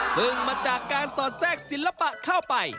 ซึ่งมาจากการสอดแทรกศิลปะเข้าไป